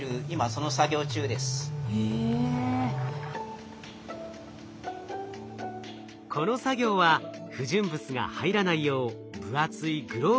この作業は不純物が入らないよう分厚いグローブを通して行います。